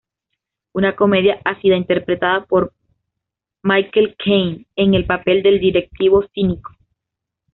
Una comedia ácida, interpretada por Michael Caine en el papel del directivo cínico.